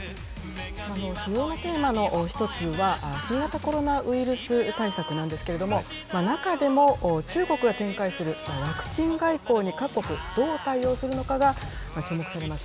主要なテーマの一つは、新型コロナウイルス対策なんですけれども、中でも、中国が展開するワクチン外交に各国どう対応するのかが注目されます。